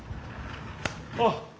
あっ。